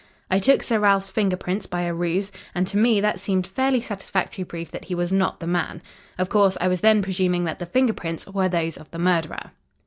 I took Sir Ralph's finger prints by a ruse, and to me that seemed fairly satisfactory proof that he was not the man. Of course, I was then presuming that the finger prints were those of the murderer.